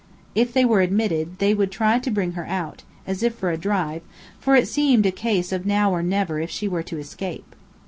If they were admitted, they would try to bring her out, as if for a drive, for it seemed a case of now or never if she were to escape.